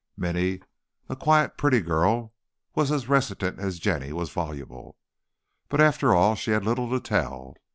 Minny, a quiet, pretty girl, was as reticent as Jenny was voluble. But after all, she had little to tell.